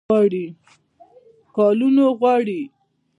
کلونو وغواړي.